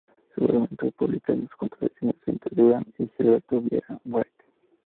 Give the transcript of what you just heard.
Se vuelven entonces públicas las contradicciones entre Durán y Gilberto Vieira White.